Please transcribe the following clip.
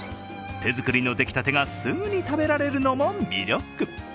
手作りの出来たてがすぐに食べられるのも魅力。